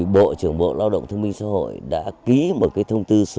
bộ trưởng bộ lao động thông minh xã hội đã ký một thông tư số bốn mươi bốn